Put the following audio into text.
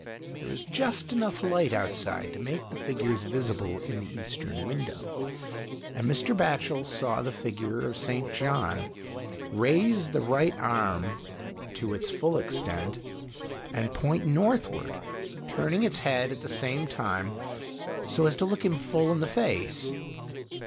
There was just enough light outside to make the figures visible in the Eastern Window, and Mr. Batchel saw the figure of St. John raise the right arm to its full extent, and point northward, turning its head, at the same time, so as to look him full in the face.